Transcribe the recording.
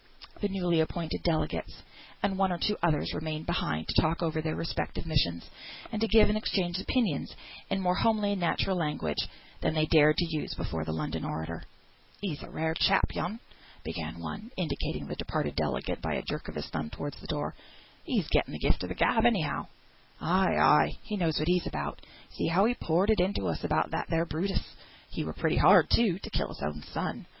The newly appointed delegates, and one or two others, remained behind to talk over their respective missions, and to give and exchange opinions in more homely and natural language than they dared to use before the London orator. "He's a rare chap, yon," began one, indicating the departed delegate by a jerk of his thumb towards the door. "He's gotten the gift of the gab, anyhow!" "Ay! ay! he knows what he's about. See how he poured it into us about that there Brutus. He were pretty hard, too, to kill his own son!"